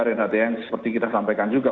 reinhardt seperti kita sampaikan juga